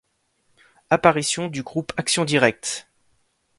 Apparition du groupe Action Directe.